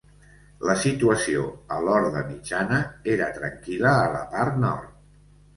La situació a l'Horda Mitjana era tranquil·la a la part nord.